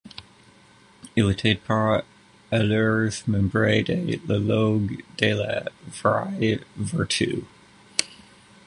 Il était par ailleurs membre de la loge de la Vraie Vertu.